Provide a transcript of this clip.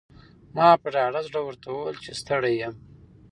ما په ډاډه زړه ورته وویل چې ستړی یم.